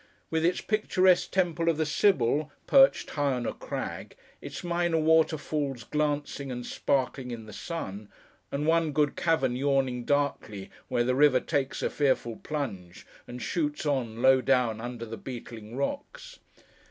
With its picturesque Temple of the Sibyl, perched high on a crag; its minor waterfalls glancing and sparkling in the sun; and one good cavern yawning darkly, where the river takes a fearful plunge and shoots on, low down under beetling rocks.